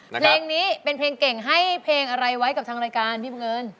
เพลงนี้เป็นเพลงเก่งให้เพลงอะไรไว้กับทางรายการพี่บังเอิญ